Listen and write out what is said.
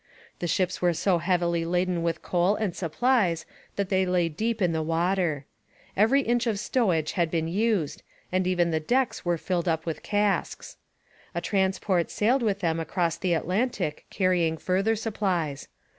The ships were so heavily laden with coal and supplies that they lay deep in the water. Every inch of stowage had been used, and even the decks were filled up with casks. A transport sailed with them across the Atlantic carrying further supplies.